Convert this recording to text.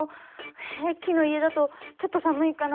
え木の家だとちょっと寒いかな。